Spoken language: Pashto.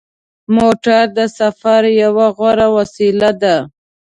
موټر د سفر یوه غوره وسیله ده.